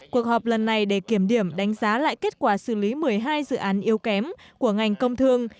cuộc họp lần này để kiểm điểm đánh giá lại kết quả xử lý một mươi hai dự án yếu kém của ngành công thương